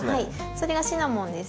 それがシナモンです。